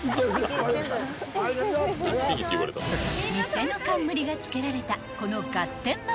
［店の冠が付けられたこの］